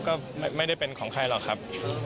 ก็ไม่ได้เป็นของใครหรอกครับ